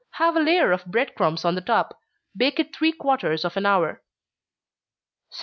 Have a layer of bread crumbs on the top. Bake it three quarters of an hour. 117.